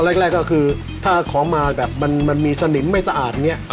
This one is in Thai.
เราก็แรกก็คือถ้าของมาแบบมันมีสนิมไม่สะอาดนี่